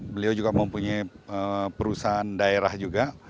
beliau juga mempunyai perusahaan daerah juga